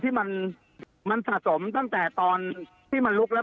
ที่มันสะสมตั้งแต่ตอนที่มันลุกแล้ว